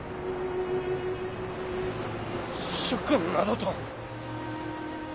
主君などと。